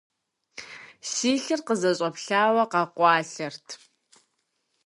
Си лъыр къызэщӀэплъауэ къэкъуалъэрт.